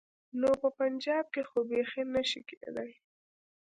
نو په پنجاب کې خو بيخي نه شي کېدای.